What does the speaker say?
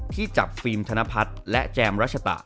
ที่จับฟิล์มธนพัฒน์และแจมรัชตะ